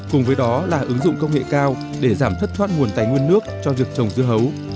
cùng với đó là ứng dụng công nghệ cao để giảm thất thoát nguồn tài nguyên nước cho việc trồng dưa hấu